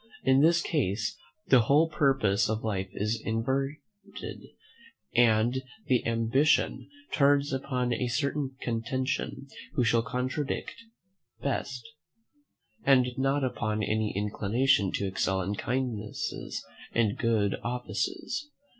In this case, the whole purpose of life is inverted, and the ambition turns upon a certain contention, who shall contradict best, and not upon an inclination to excel in kindnesses and good offices.